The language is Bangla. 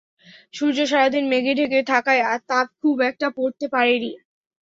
সূর্য সারা দিন মেঘে ঢেকে থাকায় তাপ খুব একটা পড়তে পারেনি।